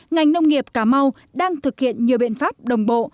ngành nông nghiệp cà mau đang thực hiện nhiều biện pháp đồng bộ